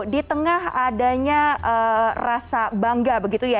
di tengah adanya rasa bangga begitu ya